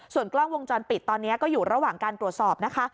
ส่วนกล้องวงจรปิดตอนนี้ก็อยู่ระหว่างการตรวจสอบนะคะ